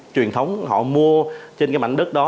truyền thống họ mua trên cái mảnh đất đó